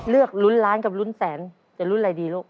เลือกลุนล้านกับลุนแสนจะลุนอะไรดีลูก